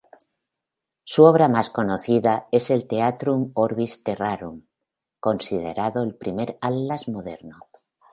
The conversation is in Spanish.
Su obra más conocida es el Theatrum Orbis Terrarum, considerado el primer atlas moderno.